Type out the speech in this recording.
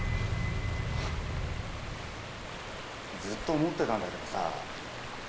ずっと思ってたんだけどさぁ。